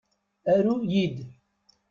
Aru-yi-d!